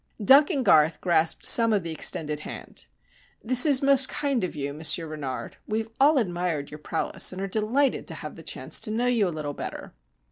Duncan Garth grasped some of the extended hand. "This is most kind of you, Monsieur Renard. We have all admired your prowess, and are delighted to have the chance to know you a little better."